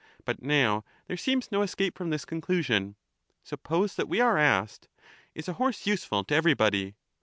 But now there seems no escape from this conclusion. Suppose that we are asked, ' Is a horse useful to everybody?